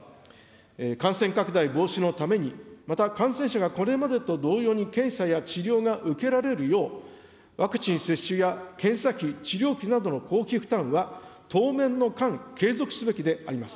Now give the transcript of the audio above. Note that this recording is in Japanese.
感染拡大防止のために、また、感染者がこれまでと同様に検査や治療が受けられるよう、ワクチン接種や検査費、治療費などの公費負担は当面の間、継続すべきであります。